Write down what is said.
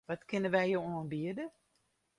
Wat kinne wy jo oanbiede?